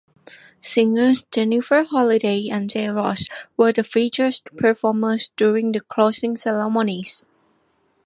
Singers Jennifer Holliday and Jae Ross were the featured performers during the closing ceremonies.